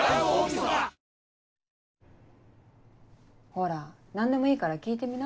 ほら何でもいいから聞いてみな。